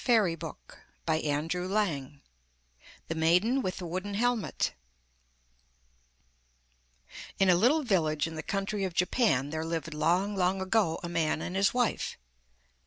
(Adapted from Swahili Tales,) THE MAIDEN WITH THE WOODEN HELMET In a little village in the country of Japan there lived long, long ago a man and his wife.